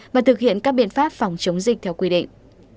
và thực hiện các biện pháp phòng chống dịch theo quy định